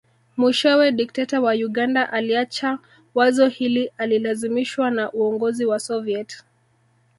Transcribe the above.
Mwishowe dikteta wa Uganda aliacha wazo hili alilazimishwa na uongozi wa Soviet